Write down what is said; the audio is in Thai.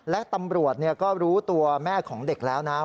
และตำรวจก็รู้ตัวแม่ของเด็กแล้วนะ